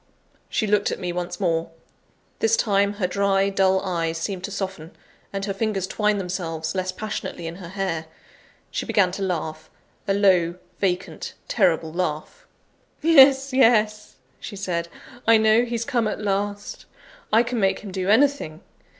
She looked at me once more. This time, her dry, dull eyes seemed to soften, and her fingers twined themselves less passionately in her hair. She began to laugh a low, vacant, terrible laugh. "Yes, yes," she said, "I know he's come at last; I can make him do anything.